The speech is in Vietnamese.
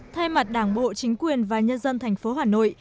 thay mặt đảng bộ chính quyền và nhân dân thành phố hà nội